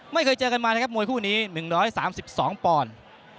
ไม่เคยเจอกันมานะครับมวยคู่นี้๑๓๒ปอนด์